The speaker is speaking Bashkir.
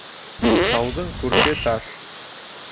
Тауҙың күрке таш